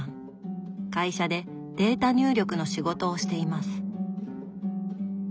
会社でデータ入力の仕事をしています。